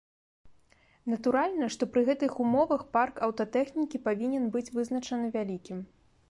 Натуральна, што пры гэтых умовах парк аўтатэхнікі павінен быць вызначана вялікім.